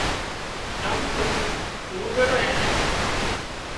چم تو اوۮيڙو اين نين